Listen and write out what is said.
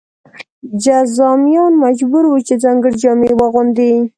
جذامیان مجبور وو چې ځانګړې جامې واغوندي.